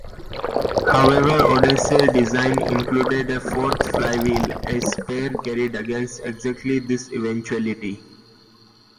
However, "Odyssey"s design included a fourth flywheel, a spare carried against exactly this eventuality.